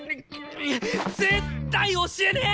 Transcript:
絶対教えねえ！